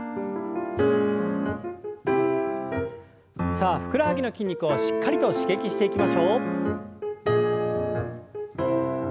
さあふくらはぎの筋肉をしっかりと刺激していきましょう。